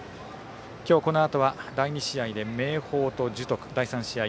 今日、このあとは第２試合で明豊と樹徳第３試合